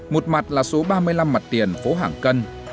một mặt là số ba mươi năm mặt tiền phố hàng cân